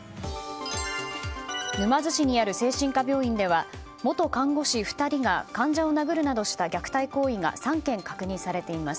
沼津市にある精神科病院では元看護師２人が患者を殴るなどした虐待行為が３件確認されています。